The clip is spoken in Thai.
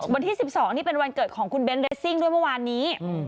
วันที่๑๒นี่เป็นวันเกิดของคุณเบ้นเรสซิ่งด้วยเมื่อวานนี้